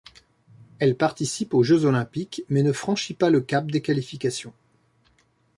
Elle participe aux Jeux olympiques mais ne franchit pas le cap des qualifications.